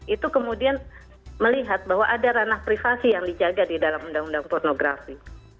itu kemudian melihat bahwa ada ranah privasi yang dijaga di dalam undang undang pornografi